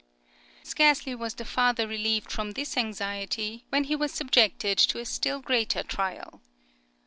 Scarcely was the father relieved from this anxiety when he was subjected to a still greater trial.